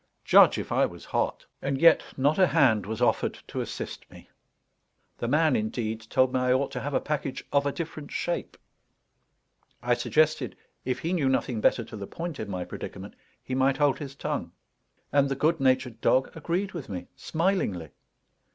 Judge if I was hot! And yet not a hand was offered to assist me. The man, indeed, told me I ought to have a package of a different shape. I suggested, if he knew nothing better to the point in my predicament, he might hold his tongue. And the good natured dog agreed with me smilingly.